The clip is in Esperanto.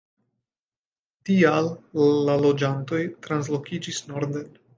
Tial la loĝantoj translokiĝis norden.